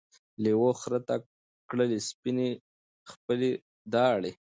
لېوه خره ته کړلې سپیني خپلي داړي